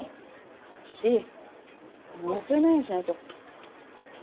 忘れないようにしないと。